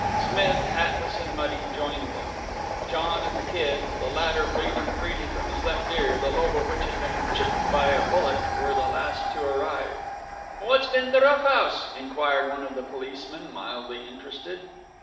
Smith, hatless and muddy, joined them. John and the Kid, the latter bleeding freely from his left ear, the lobe of which had been chipped by a bullet, were the last to arrive. "What's been the rough house?" inquired one of the policemen, mildly interested.